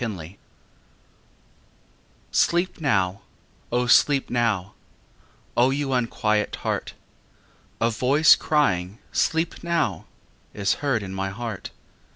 XXXIV Sleep now, O sleep now, O you unquiet heart! A voice crying "Sleep now" Is heard in my heart.